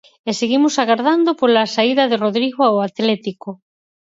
E seguimos agardando pola saída de Rodrigo ao Atlético.